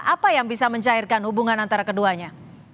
apa yang bisa mencairkan hubungan antara keduanya